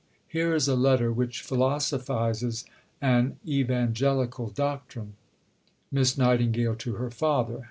Here is a letter which philosophizes an "evangelical" doctrine: (_Miss Nightingale to her Father.